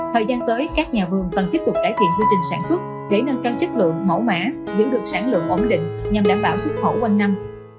thời gian tới các nhà vườn cần tiếp tục trải nghiệm chương trình sản xuất để nâng căng chất lượng mẫu mã giữ được sản lượng ổn định nhằm đảm bảo xuất khẩu quanh năm